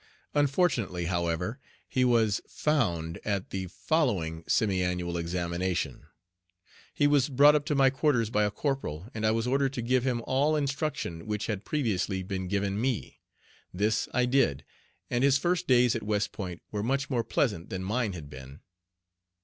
Unfortunately, however, he was "found" at the following semi annual examination. He was brought up to my quarters by a corporal, and I was ordered to give him all instruction which had previously been given me. This I did, and his first days at West Point were much more pleasant than mine had been.